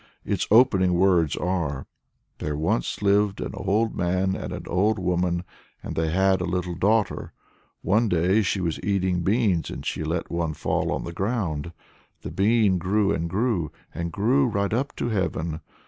Its opening words are, "There once lived an old man and an old woman, and they had a little daughter. One day she was eating beans, and she let one fall on the ground. The bean grew and grew, and grew right up to heaven.